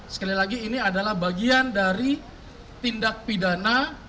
sekali lagi ini adalah bagian dari tindak pidana